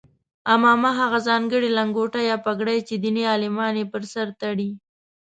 عمامه هغه ځانګړې لنګوټه یا پګړۍ چې دیني عالمان یې پر سر تړي.